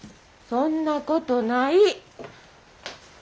そんなことない。